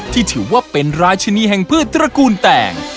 ที่ถือว่าเป็นราชินีแห่งพืชตระกูลแตง